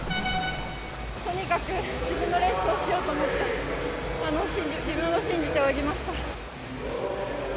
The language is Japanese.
とにかく自分のレースをしようと思って、自分を信じて泳ぎました。